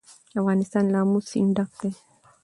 افغانستان له آمو سیند ډک دی.